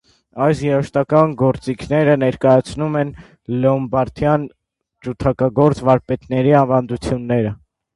Այս երաժշտական գործիքները ներկայացնում են լոմբարդյան ջութակագործ վարպետների ավանդույթները։